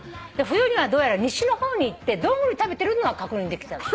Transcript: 冬にはどうやら西の方に行ってドングリ食べてるのは確認できたの。